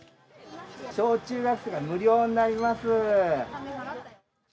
小中学生が無料になります。